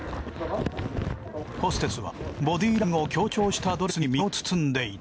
ホステスはボディーラインを強調したドレスに身を包んでいた。